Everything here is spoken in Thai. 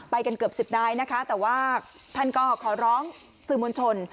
กันเกือบสิบนายนะคะแต่ว่าท่านก็ขอร้องสื่อมวลชน